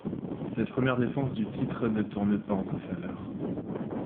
Cette première défense du titre ne tourne pas en sa faveur.